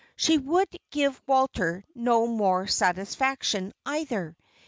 She would give Walter no more satisfaction, either.